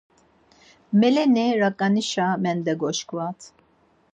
Meleni raǩanişa mendegoşkvat.